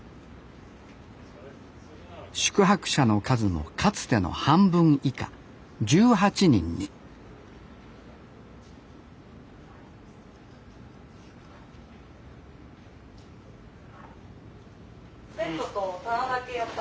宿泊者の数もかつての半分以下１８人にベッドと棚だけやった。